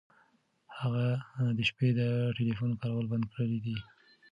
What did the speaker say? هغه د شپې د ټیلیفون کارول بند کړي دي.